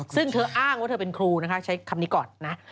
ซึ่งเธออ้างว่าเธอเป็นครูนะคะใช้คำนี้ก่อนนะ